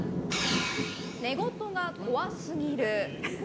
寝言が怖すぎる。